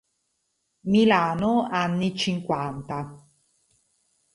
Milano, anni cinquanta.